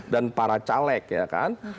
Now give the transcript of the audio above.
dan para caleg ya kan